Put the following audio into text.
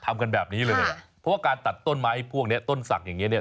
ทำกันแบบนี้เลยเพราะว่าการตัดต้นไม้พวกเนี้ยต้นศักดิ์อย่างเงี้เนี่ย